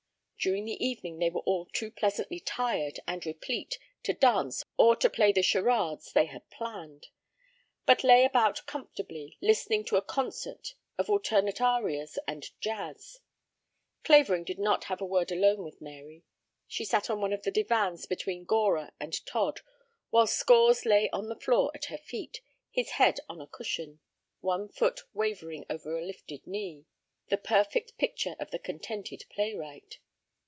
During the evening they were all too pleasantly tired and replete to dance or to play the charades they had planned, but lay about comfortably, listening to a concert of alternate arias and jazz. Clavering did not have a word alone with Mary. She sat on one of the divans between Gora and Todd, while Scores lay on the floor at her feet, his head on a cushion, one foot waving over a lifted knee, the perfect picture of the contented playwright.